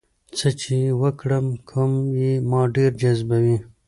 څه چې وکړم کوم یې ما ډېر جذبوي؟